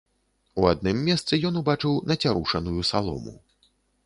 У адным месцы ён убачыў нацярушаную салому.